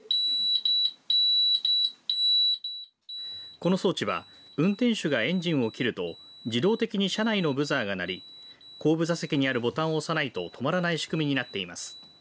この装置は運転手がエンジンを切ると自動的に車内のブザーが鳴り後部座席にあるボタンを押さないと止まらない仕組みになっています。